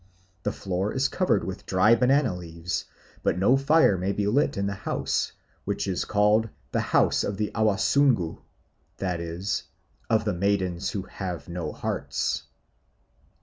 The floor is covered with dry banana leaves, but no fire may be lit in the house, which is called "the house of the Awasungu," that is, "of maidens who have no hearts."